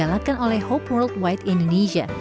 yang diadakan oleh hope worldwide indonesia